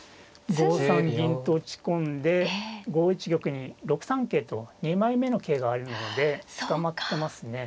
５三銀と打ち込んで５一玉に６三桂と２枚目の桂があるので捕まってますね。